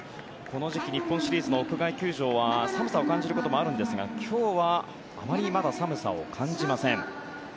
この時期日本シリーズの屋外球場は寒さを感じることもあるんですが今日はあまりまだ寒さを感じません。